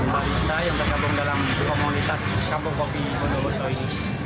barista yang terkabung dalam komunitas kampung kopi bondowoso ini